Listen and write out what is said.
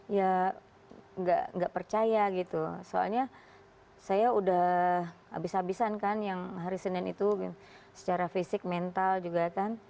ya nggak percaya gitu soalnya saya udah habis habisan kan yang hari senin itu secara fisik mental juga kan